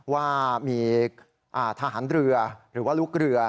ว่ามีทหารเรือหรือว่าลูกเรือ